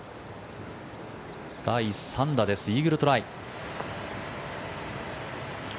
第３打ですイーグルトライ。